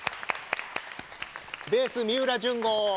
ベース三浦淳悟。